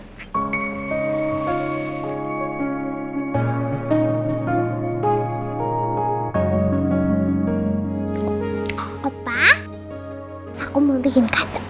apa sih sedang juga kan kalau ada yang sehari hari